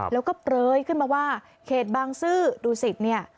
แล้วก็เปลยขึ้นมาว่าเขตบางซื่อดูสิตเนี่ย